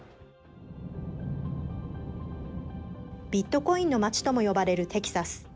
ビットコインの街とも呼ばれるテキサス。